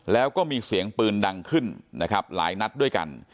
แล้วก็มีเสียงปืนดังขึ้นนะครับหลายนัดด้วยกัน